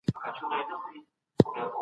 خوشحالي په سادګۍ کي ده.